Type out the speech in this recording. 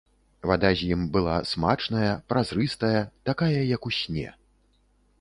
Вада з ім была смачная, празрыстая, такая як у сне.